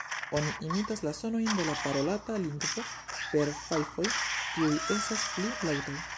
Oni imitas la sonojn de la parolata lingvo per fajfoj, kiuj estas pli laŭtaj.